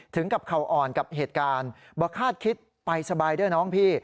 ถึงกับเขาอ่อนกับเหตุการณ์บอกคาดคิดไปสบายด้วยน้องพี่